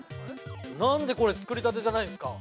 なんでこれ、作りたてじゃないんですか。